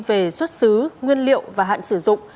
về xuất xứ nguyên liệu và hạn sử dụng